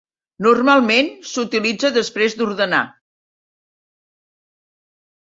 Normalment s'utilitza després d'ordenar.